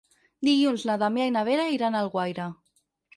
Dilluns na Damià i na Vera iran a Alguaire.